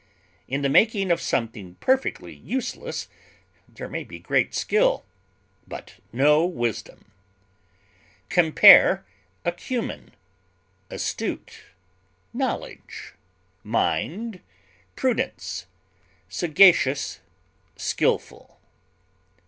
In the making of something perfectly useless there may be great skill, but no wisdom. Compare ACUMEN; ASTUTE; KNOWLEDGE; MIND; PRUDENCE; SAGACIOUS; SKILFUL.